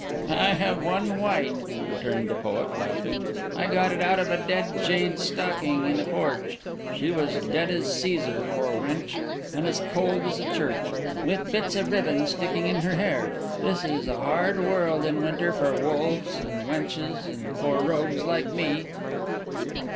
"I have one white," returned the poet, laughing. "I got it out of a dead jade's stocking in a porch. She was as dead as Cæsar, poor wench, and as cold as a church, with bits of ribbon sticking in her hair. This is a hard world in winter for wolves and wenches and poor rogues like me."